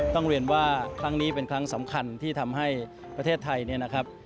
ต้องเรียนว่าครั้งนี้เป็นครั้งสำคัญที่ทำให้ประเทศไทยเนี่ยนะครับ